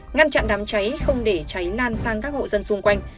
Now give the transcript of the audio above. ngăn chặn đám cháy không để cháy lan sang các hộ dân xung quanh